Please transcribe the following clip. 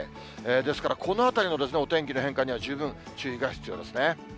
ですからこのあたりのお天気の変化には十分注意が必要ですね。